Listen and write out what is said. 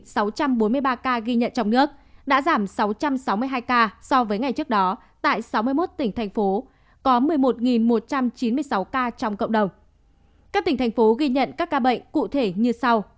các tỉnh thành phố ghi nhận các ca bệnh cụ thể như sau